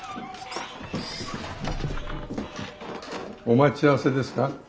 お待ち合わせですか？